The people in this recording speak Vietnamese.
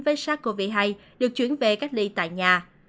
với sars cov hai được chuyển về cách ly tại nhà